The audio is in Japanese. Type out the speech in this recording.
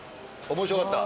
面白かった。